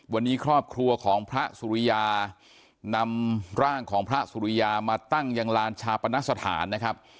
วันนี้ครอบครัวของพระสุริยานำร่างของพระสุริยามาตั้งยังลานชาปนสถานนะครับ